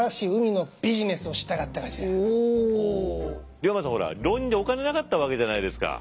龍馬さんほら浪人でお金なかったわけじゃないですか。